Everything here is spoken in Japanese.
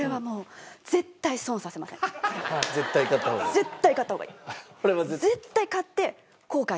絶対買った方がいい？